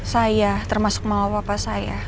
saya termasuk mama papa saya